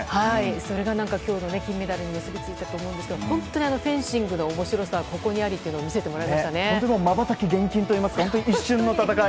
それが今日の金メダルに結びついたと思うんですけど本当にフェンシングの面白さはここにありというのを瞬き厳禁といいますか一瞬の戦い